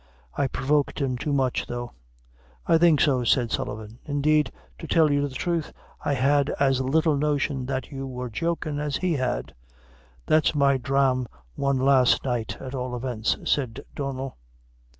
I provoked him too much, though." "I think so," said Sullivan. "Indeed, to tell you the truth, I had as little notion that you wore jokin' as he had." "That's my drame out last night, at all events," said Donnel.